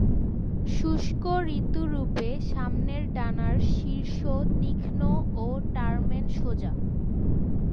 শুস্ক-ঋতুরূপে সামনের ডানার শীর্ষ তীক্ষ্ণ ও টার্মেন সোজা।